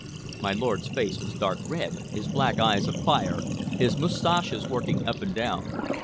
My lord's face was dark red, his black eyes afire, his mustaches working up and down.